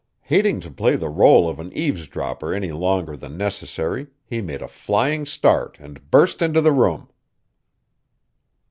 Hating to play the rôle of an eavesdropper any longer than necessary he made a flying start and burst into the room.